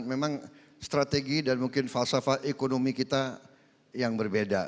memang strategi dan mungkin falsafat ekonomi kita yang berbeda